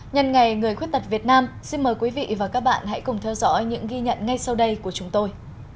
nhân ngày người khuyết tật việt nam xin mời quý vị và các bạn hãy cùng theo dõi những ghi nhận ngay sau đây của chúng tôi